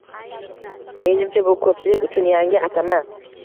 Menimcha, bu koʻpchilik uchun yangi atama.